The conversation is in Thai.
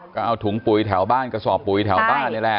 ก็เอาถุงปุ๋ยแถวบ้านกระสอบปุ๋ยแถวบ้านนี่แหละ